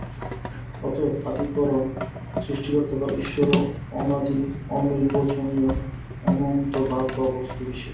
অতএব আদিকরণ, সৃষ্টিকর্তা বা ঈশ্বরও অনাদি অনির্বচনীয় অনন্ত ভাব বা বস্তুবিশেষ।